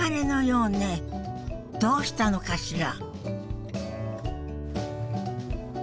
どうしたのかしら？